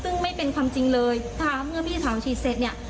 ซึ่งไม่เป็นความจริงเลยนะคะเมื่อพี่สาวฉีดเสร็จเนี่ย